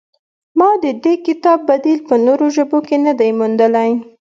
ما د دې کتاب بدیل په نورو ژبو کې نه دی موندلی.